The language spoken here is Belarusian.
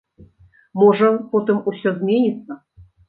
Можа, потым усё зменіцца.